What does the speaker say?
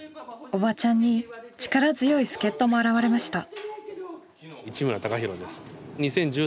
おばちゃんに力強い助っ人も現れました。